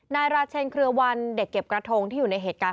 นายราชเชนเครือวันเด็กเก็บกระทงที่อยู่ในเหตุการณ์